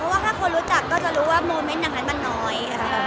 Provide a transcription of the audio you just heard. เพราะว่าถ้าคนรู้จักก็จะรู้ว่าโมเมนต์อย่างนั้นมันน้อย